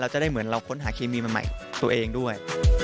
จะได้เหมือนเราค้นหาเคมีใหม่ตัวเองด้วย